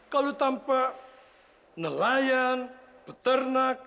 kalau tanpa nelayan peternak